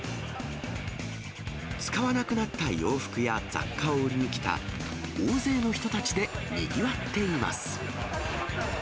使わなくなった洋服や雑貨を売りに来た大勢の人たちでにぎわっています。